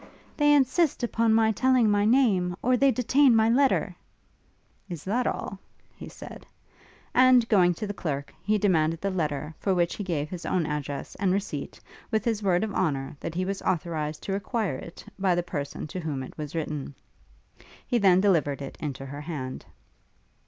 'They insist upon my telling my name or they detain my letter!' 'Is that all?' said he, and, going to the clerk, he demanded the letter, for which he gave his own address and receipt, with his word of honour that he was authorised to require it by the person to whom it was written. He then delivered it into her hand.